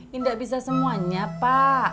tidak bisa semuanya pak